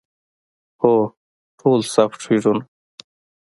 هو، ټول سافټویرونه